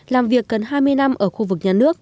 làm việc gần hai mươi năm ở khu vực nhà nước